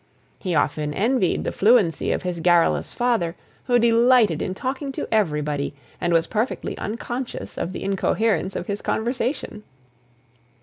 He often envied the fluency of his garrulous father, who delighted in talking to everybody, and was perfectly unconscious of the incoherence of his conversation.